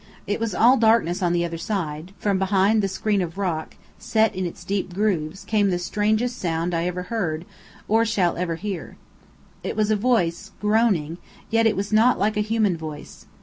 It was all darkness on the other side; from behind the screen of rock, set in its deep grooves, came the strangest sound I ever heard, or shall ever hear. It was a voice, groaning, yet it was not like a human voice.